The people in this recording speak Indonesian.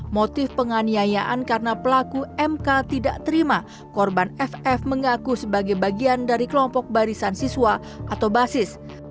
motif penganiayaan karena pelaku mk tidak terima korban ff mengaku sebagai bagian dari kelompok barisan siswa atau basis